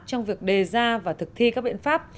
trong việc đề ra và thực thi các biện pháp